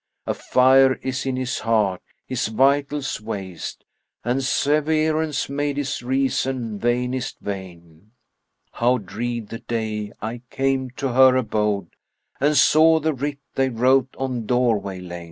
A fire is in his heart, his vitals waste, * And severance made his reason vainest vain. How dread the day I came to her abode * And saw the writ they wrote on doorway lain!